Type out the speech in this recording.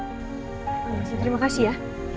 terima kasih ya